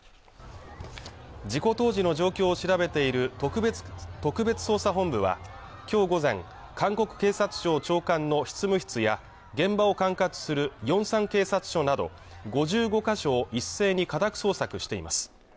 事故当時の状況を調べている特別捜査本部は今日午前、韓国警察庁長官の執務室や現場を管轄するヨンサン警察署など５５か所を一斉に家宅捜索しています